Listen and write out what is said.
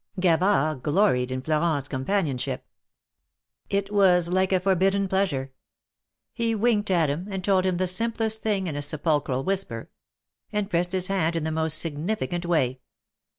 Gavard gloried in Elorent^s companionship. It was like a forbidden pleasure. He winked at him, and told him the simplest thing in a sepulchral whisper ; and pressed his hand in the most significant way.